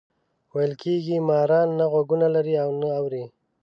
ویل کېږي ماران نه غوږونه لري او نه اوري.